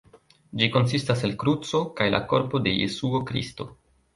Ĝi konsistas el kruco kaj la korpo de Jesuo Kristo.